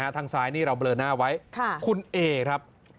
ทางซ้ายนี่เราเบลอหน้าไว้คุณเอครับ